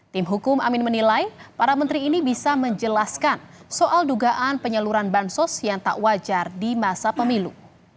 tim hukum amin menilai para menteri ini bisa menjelaskan soal dugaan penyaluran bansos yang tak wajar di masa pemilu